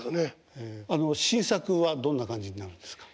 あの新作はどんな感じになるんですか？